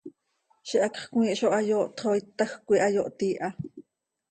Ziix hacx cmiih zo hayooht xo ítajc coi oo hayooht iiha.